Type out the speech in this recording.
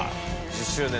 １０周年。